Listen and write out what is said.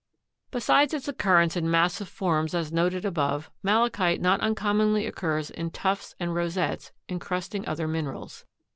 Besides its occurrence in massive forms as noted above Malachite not uncommonly occurs in tufts and rosettes incrusting other minerals.